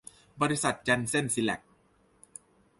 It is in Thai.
บริษัทแจนเซ่นซีแลก